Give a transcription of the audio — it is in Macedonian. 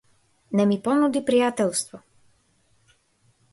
Не ми понуди пријателство.